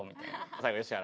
最後吉原。